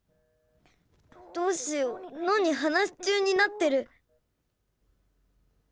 どうしようノニ話し中になってる。